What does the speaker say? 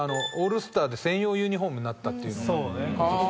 オールスターで専用ユニホームになったっていう。